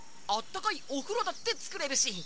あったかいおふろだってつくれるし。